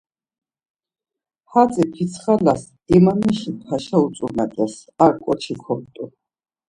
Hatzi Pitsxala’s, İmamişi Paşa utzumet̆es, ar ǩoçi kort̆u.